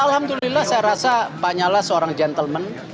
alhamdulillah saya rasa pak nyala seorang gentleman